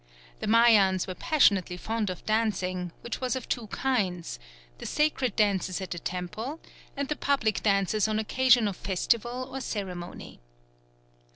The Mayans were passionately fond of dancing, which was of two kinds: the sacred dances at the temples and the public dances on occasions of festival or ceremony.